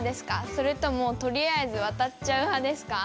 それともとりあえずわたっちゃう派ですか？